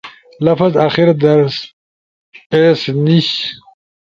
لفظ آخر در ایس نیِش